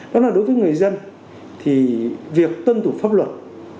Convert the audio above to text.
đó là đối với người dân thì việc tân tụ pháp luật